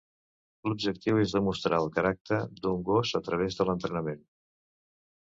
L'objectiu és demostrar el caràcter d'un gos a través de l'entrenament.